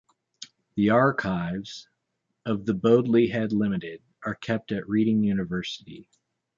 The archives of The Bodley Head Limited are kept at Reading University.